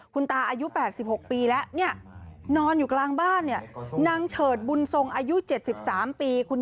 คุณตาอายุแปดสิบหกปีแล้วนอนอยู่กลางบ้านนั่งเฉิดบุญทรงอายุเจ็ดสิบสามปี